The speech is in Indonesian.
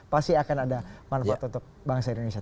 pasti akan ada manfaat untuk bangsa indonesia